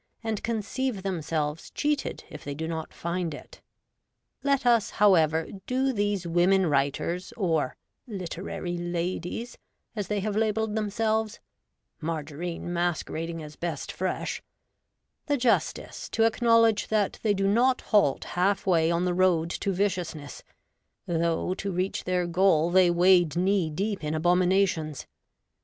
and conceive them selves cheated if they do not find it. Let us, however, do these women writers, or 'Literary Ladies', as they have labelled themselves — margarine masquerading as ' best fresh '— the justice to ac knowledge that they do not halt halfway on the road to viciousness, though to reach their goal they wade knee deep in abominations.